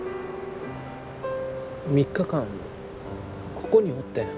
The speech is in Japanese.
３日間ここにおってん。